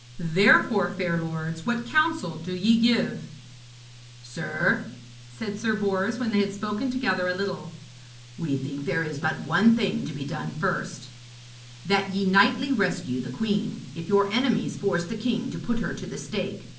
Therefore, fair lords, what counsel do ye give?' 'Sir,' said Sir Bors, when they had spoken together a little, 'we think there is but one thing to be done first: that ye knightly rescue the queen, if your enemies force the king to put her to the stake.